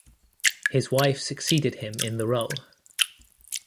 His wife succeeded him in the role.